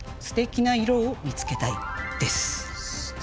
「すてきな色を見つけたい」。